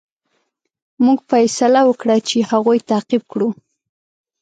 موږ فیصله وکړه چې هغوی تعقیب کړو.